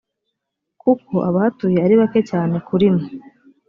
kuko abahatuye ari bake cyane kuri mwe.